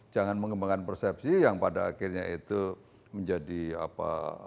jangan mengembangkan persepsi yang pada akhirnya itu menjadi apa